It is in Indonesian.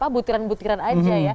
butiran butiran aja ya